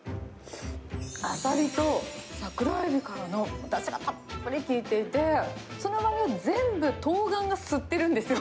アサリと桜エビからのだしがたっぷり効いていて、そのうまみを全部トウガンが吸ってるんですよ。